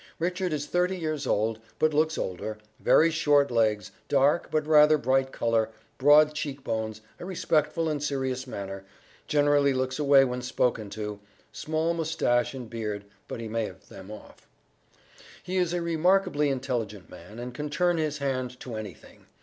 Richard is thirty years old, but looks older; very short legs, dark, but rather bright color, broad cheek bones, a respectful and serious manner, generally looks away when spoken to, small moustache and beard (but he may have them off). He is a remarkably intelligent man, and can turn his hand to anything.